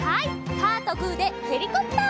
パーとグーでヘリコプター！